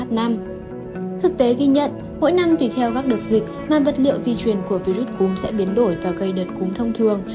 thực tế ghi nhận mỗi năm tùy theo các đợt dịch mà vật liệu di chuyển của virus cúm sẽ biến đổi và gây đợt cúm thông thường